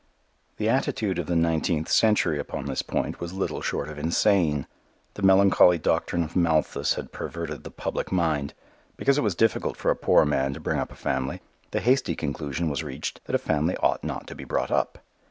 The attitude of the nineteenth century upon this point was little short of insane. The melancholy doctrine of Malthus had perverted the public mind. Because it was difficult for a poor man to bring up a family, the hasty conclusion was reached that a family ought not to be brought up.